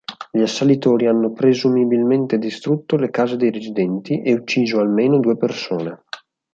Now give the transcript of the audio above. Gli assalitori hanno presumibilmente distrutto le case dei residenti e ucciso almeno due persone.